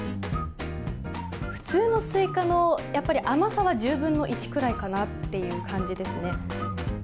普通のスイカの甘さは１０分の１くらいかなっていう感じですね。